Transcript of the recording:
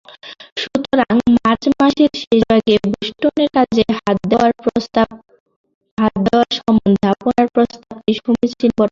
সুতরাং মার্চ মাসের শেষভাগে বোষ্টনের কাজে হাত দেওয়ার সম্বন্ধে আপনার প্রস্তাবটি সমীচীন বটে।